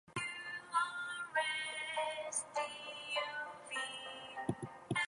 Aldous Huxley introduced the "Tibetan Book of the Dead" to Timothy Leary.